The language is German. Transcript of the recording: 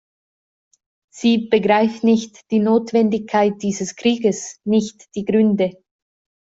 Sie begreift nicht die Notwendigkeit dieses Krieges, nicht die Gründe.